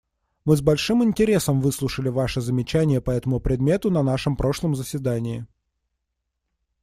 Мы с большим интересом выслушали Ваши замечания по этому предмету на нашем прошлом заседании.